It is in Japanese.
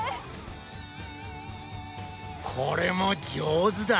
これも上手だ！